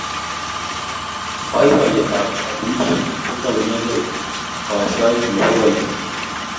boiboiyet ab katunisiet ko taunegei koashoet Nebo koikeny